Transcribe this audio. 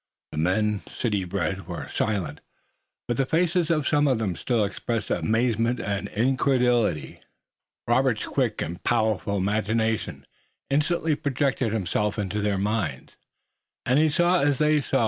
The men, city bred, were silent, but the faces of some of them still expressed amazement and incredulity. Robert's quick and powerful imagination instantly projected itself into their minds, and he saw as they saw.